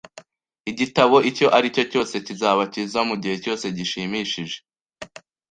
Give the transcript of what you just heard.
Igitabo icyo aricyo cyose kizaba cyiza mugihe cyose gishimishije